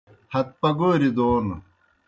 ہت پگوریْ دون